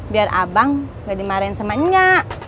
biar abang nggak dimarahin sama nya